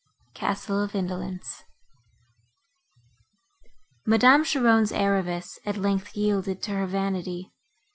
CASTLE OF INDOLENCE Madame Cheron's avarice at length yielded to her vanity.